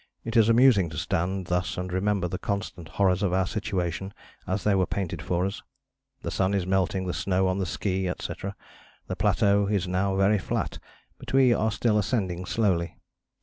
It is amusing to stand thus and remember the constant horrors of our situation as they were painted for us: the sun is melting the snow on the ski, etc. The plateau is now very flat, but we are still ascending slowly.